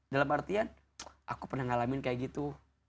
dalam artian aku pernah ngalamin kayak gitu